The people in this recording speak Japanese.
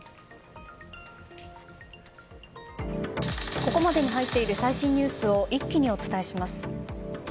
ここまでに入っている最新ニュースを一気にお伝えします。